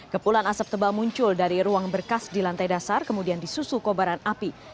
kepulan asap tebal muncul dari ruang berkas di lantai dasar kemudian disusu kobaran api